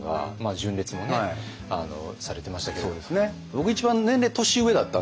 僕一番年齢年上だったんですよ。